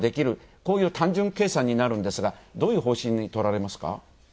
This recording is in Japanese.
こういう単純計算になるんですがどういう方針にとられますか？